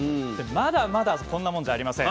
まだまだこんなもんじゃありません。